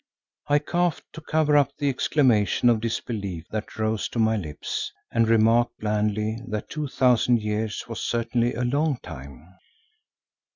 I coughed to cover up the exclamation of disbelief that rose to my lips and remarked blandly that two thousand years was certainly a long time.